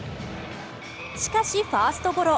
しかし、ファーストゴロ。